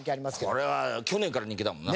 これは去年から人気だもんな。